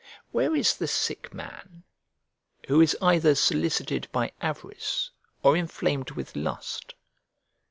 Where is the sick man who is either solicited by avarice or inflamed with lust?